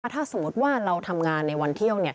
ถ้าสมมุติว่าเราทำงานในวันเที่ยว